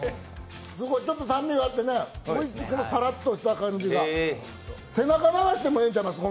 ちょっと酸味があって、おいしい、このさらっとした感じが背中流してもええんちゃいます？